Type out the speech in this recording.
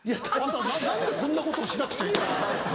何でこんなことをしなくちゃいけない？